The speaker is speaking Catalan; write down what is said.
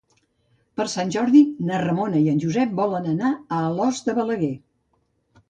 Per Sant Jordi na Ramona i en Josep volen anar a Alòs de Balaguer.